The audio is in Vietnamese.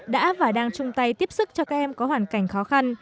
đã và đang chung tay tiếp sức cho các em có hoàn cảnh khó khăn